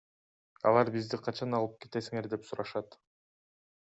Алар бизди качан алып кетесиңер деп сурашат.